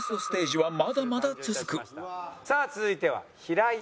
さあ続いては平井。